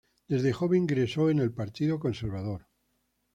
Desde joven ingresó al Partido Conservador.